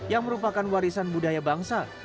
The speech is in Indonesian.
yang merupakan warisan budaya bangsa